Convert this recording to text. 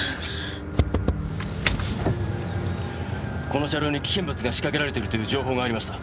この車両に危険物が仕掛けられているという情報が入りました。